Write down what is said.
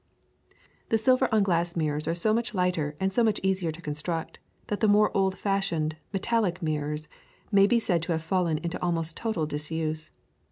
The silver on glass mirrors are so much lighter and so much easier to construct that the more old fashioned metallic mirrors may be said to have fallen into almost total disuse.